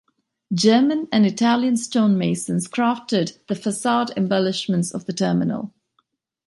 German and Italian stonemasons crafted the facade embellishments of the terminal.